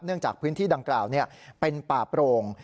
จากพื้นที่ดังกล่าวเป็นป่าโปร่ง